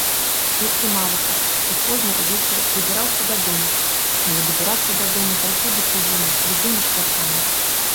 І атрымалася, што позна ўвечары дабіраўся дадому, але дабірацца дадому заўсёды прыемней, любымі шляхамі.